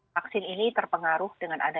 vaksin ini terpengaruh dengan adanya